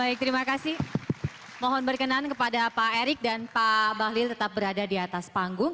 baik terima kasih mohon berkenan kepada pak erik dan pak bahlil tetap berada di atas panggung